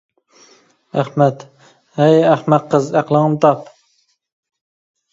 ئەخمەت : ھەي، ئەخمەق قىز ئەقلىڭنى تاپ!